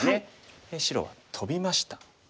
白はトビました。